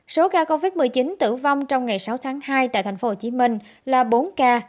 số ca covid một mươi chín tử vong trong ngày sáu tháng hai tại tp hcm là bốn ca